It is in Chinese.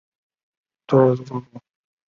帕雷德地区穆伊隆为政府驻地。